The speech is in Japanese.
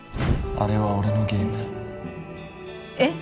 あれは俺のゲームだえっ？